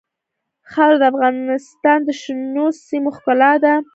خاوره د افغانستان د شنو سیمو ښکلا ده.